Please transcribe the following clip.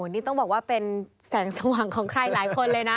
นี่ต้องบอกว่าเป็นแสงสว่างของใครหลายคนเลยนะ